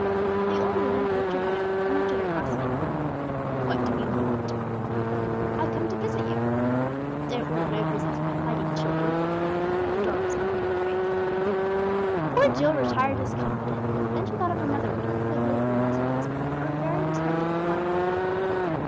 The old woman poked her head out and looked at her crossly. "What do 'ee want?" "I've come to visit you." "Don't want no visits from plaguey children!" The door was banged in her face. Poor Jill retired discomfited. Then she thought of another widow who had lately lost her husband, a very respectable farmer.